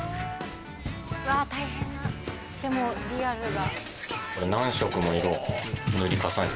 うわ大変なでもリアルが。